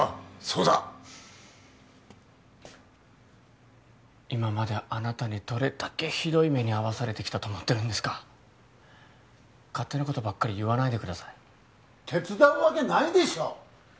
そうだ今まであなたにどれだけひどい目に遭わされてきたと思ってるんですか勝手なことばっかり言わないでください手伝うわけないでしょう